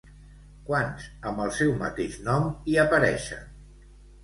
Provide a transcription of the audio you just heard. Quants amb el seu mateix nom hi apareixen?